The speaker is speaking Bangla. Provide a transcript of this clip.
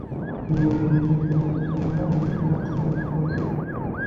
নিজের চেহারা সম্পর্কে তোমার এমন খারাপ ধারণা থাকা উচিত নয়।